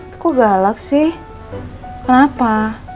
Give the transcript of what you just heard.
kok galak sih kenapa